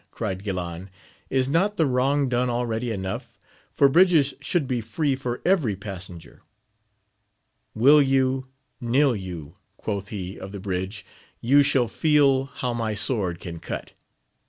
cried Guilan : is not the wrong done already enough, for bridges should be free for every passenger ? Will you, nill yon, AMADIS OF GAUL. 293 quoth he of the bridge, you shall feel how my sword can cut.